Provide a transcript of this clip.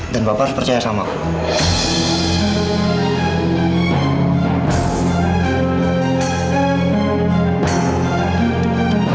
dan bapak harus percaya sama aku